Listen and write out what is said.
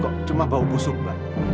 kok cuma bau busuk mbak